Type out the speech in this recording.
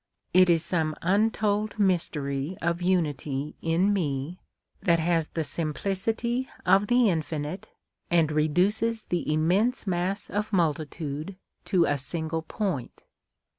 It is some untold mystery of unity in me, that has the simplicity of the infinite and reduces the immense mass of multitude to a single point.